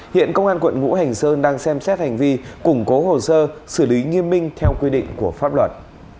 hiện công an quận ngũ hành sơn đang xem xét hành vi củng cố hồ sơ xử lý nghiêm minh theo quy định của pháp luật